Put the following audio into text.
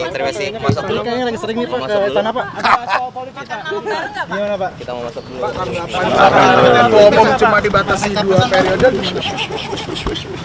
terima kasih masuk dulu